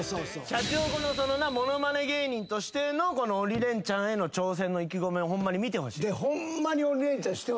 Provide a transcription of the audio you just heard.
シャチホコの物まね芸人としての鬼レンチャンへの挑戦の意気込みをホンマに見てほしい。